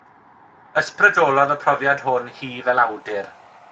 Ysbrydolodd y profiad hwn hi fel awdur.